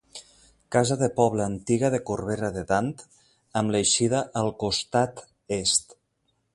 Casa de poble antiga de Corbera de Dant amb l'eixida al costat Est.